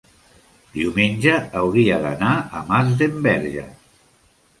diumenge hauria d'anar a Masdenverge.